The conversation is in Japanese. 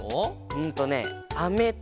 うんとねアメと。